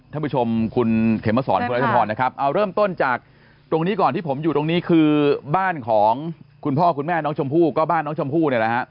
ท่านผู้ชมคุณเขมสอนคุณรัชพรนะครับเอาเริ่มต้นจากตรงนี้ก่อนที่ผมอยู่ตรงนี้คือบ้านของคุณพ่อคุณแม่น้องชมพู่ก็บ้านน้องชมพู่เนี่ยแหละฮะ